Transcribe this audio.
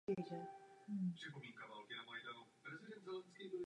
Plně souhlasím se zprávou pana Rangela.